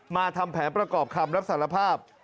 ทำแผนประกอบคำรับสารภาพ